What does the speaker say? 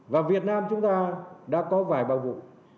và việt nam chúng ta đã có vài bao vụ